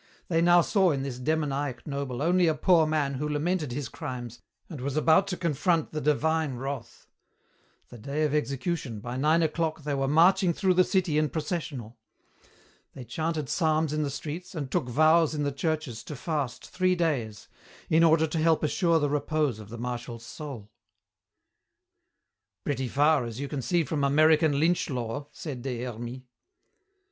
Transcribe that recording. They now saw in this demoniac noble only a poor man who lamented his crimes and was about to confront the Divine Wrath. The day of execution, by nine o'clock they were marching through the city in processional. They chanted psalms in the streets and took vows in the churches to fast three days in order to help assure the repose of the Marshal's soul." "Pretty far, as you see, from American lynch law," said Des Hermies.